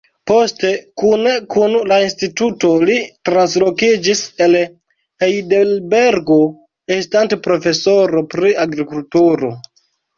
Poste kune kun la instituto li translokiĝis el Hejdelbergo estante profesoro pri agrikulturo.